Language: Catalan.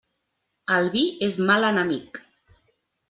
El vi és mal enemic.